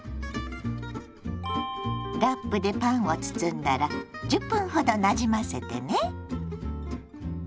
ラップでパンを包んだら１０分ほどなじませてね。